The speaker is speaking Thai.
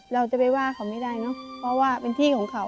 เราจะไปว่าเขาไม่ได้เนอะเพราะว่าเป็นที่ของเขา